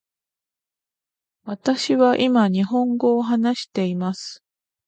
私は今日本語を話しています。